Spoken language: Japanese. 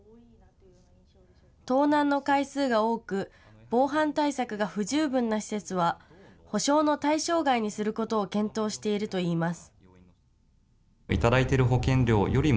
盗難の回数が多く防犯対策が不十分な施設は補償の対象外にすることを検討しているといいます。